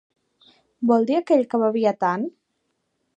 Vol dir aquell que bevia tant?